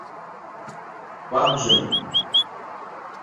Vargem